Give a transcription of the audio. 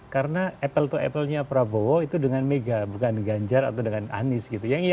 karena apple to apple nya prabowo itu dengan mega bukan ganjar atau dengan anis gitu